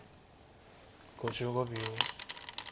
５５秒。